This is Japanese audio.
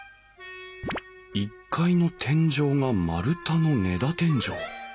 １階の天井が丸太の根太天井。